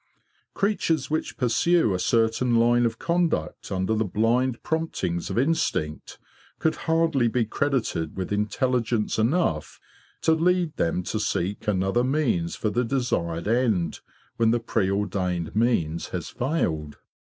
Creatures which pursue a certain line of conduct under the blind promptings of instinct could hardly be credited with intelligence enough to lead them to seek another means for the desired end when the preordained means has failed.